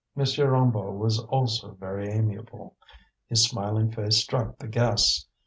Hennebeau was also very amiable. His smiling face struck the guests.